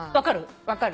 分かる？